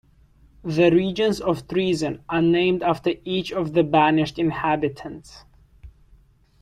The regions of Treason are named after each of the banished inhabitants.